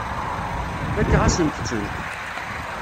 Fakeɣ-asent-tent.